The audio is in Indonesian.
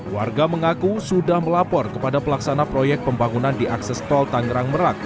warga mengaku sudah melapor kepada pelaksana proyek pembangunan di akses tol tangerang merak